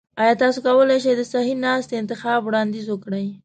ایا تاسو کولی شئ د صحي ناستي انتخاب وړاندیز وکړئ؟